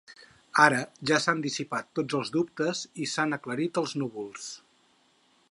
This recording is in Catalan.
Ara ja s’han dissipat tots els dubtes i s’han aclarit els núvols.